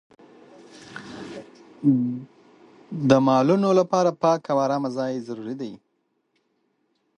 د مالونو لپاره پاک او ارامه ځای ضروري دی.